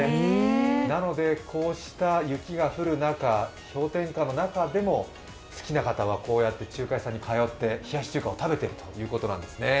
なので、こうした雪が降る中、氷点下の中でも好きな方はこうやって通って冷やし中華を食べているということなんですね。